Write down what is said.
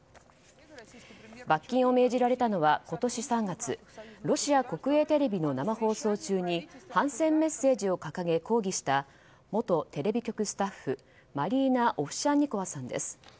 罰金を命じられたのは今年３月ロシア国営テレビの生放送中に反戦メッセージをかかげ抗議した元テレビ局スタッフ、マリーナ・オフシャンニコワさんです。